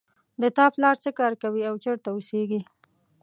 د تا پلار څه کار کوي او چېرته اوسیږي